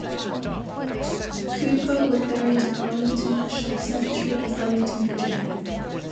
Cooper was buried in Arlington National Cemetery in Arlington, Virginia.